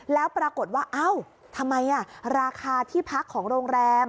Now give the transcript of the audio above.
แล้วปรากฏว่าเอ้าทำไมราคาที่พักของโรงแรม